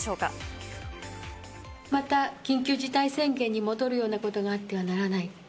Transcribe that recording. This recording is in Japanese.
また緊急事態宣言に戻るようなことがあってはならない。